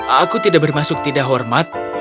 aku tidak bermaksud tidak hormat